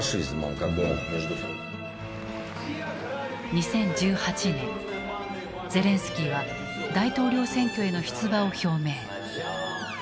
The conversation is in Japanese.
２０１８年ゼレンスキーは大統領選挙への出馬を表明。